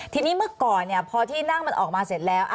ทีนี้เมื่อก่อนพอที่นั่งมันออกมาเสร็จแล้ว